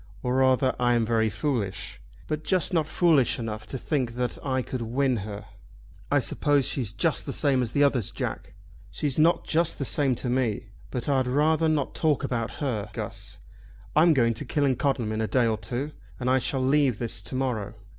Or rather I am very foolish, but just not foolish enough to think that I could win her." "I suppose she's just the same as others, Jack." "She's not just the same to me. But I'd rather not talk about her, Guss. I'm going to Killancodlem in a day or two, and I shall leave this to morrow!"